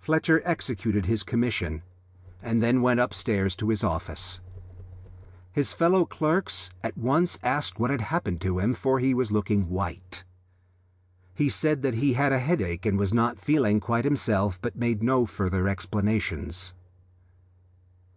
Fletcher executed his commission and then went upstairs to his office. His fellow clerks at once asked what had happened to him, for he was looking white. He said that he had a headache and was not feeling quite himself, but made no further explanations.